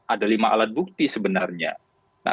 ada lima alat bukti sebenarnya